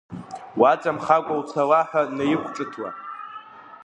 Уаҵамхакәа уцала ҳәа наиқәҿыҭуа.